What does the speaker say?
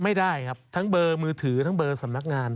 ไม่ได้ครับทั้งเบอร์มือถือทั้งเบอร์สำนักงาน